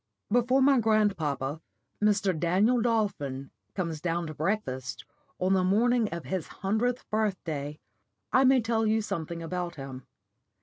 *_ Before my grandpapa, Mr. Daniel Dolphin, comes down to breakfast on the morning of his hundredth birthday, I may tell you something about him.